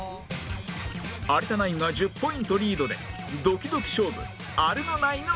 有田ナインが１０ポイントリードでドキドキ勝負あるの？ないの？